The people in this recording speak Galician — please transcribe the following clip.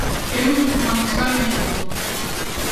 Queremos un sistema fiscal máis xusto.